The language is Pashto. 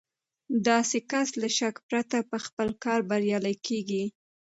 داسې کس له شکه پرته په خپل کار بريالی کېږي.